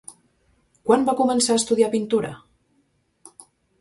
Quan va començar a estudiar pintura?